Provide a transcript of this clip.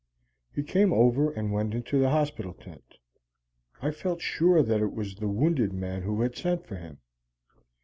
He came over and went into the hospital tent. I felt sure that it was the wounded man who had sent for him.